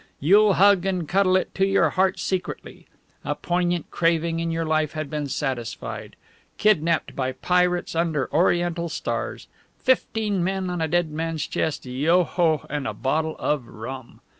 You'll hug and cuddle it to your heart secretly. A poignant craving in your life had been satisfied. Kidnapped by pirates, under Oriental stars! Fifteen men on a dead man's chest yo ho, and a bottle of rum!